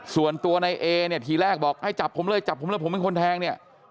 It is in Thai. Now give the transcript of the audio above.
ส่วนตัวในเอเนี่ยทีแรกบอกให้จับผมเลยจับผมเลยผมเป็นคนแทงเนี่ย